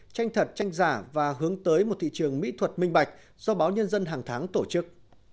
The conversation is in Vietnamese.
tranh thật tranh giả và hướng tới một thị trường mỹ thuật minh bạch do báo nhân dân hàng tháng tổ chức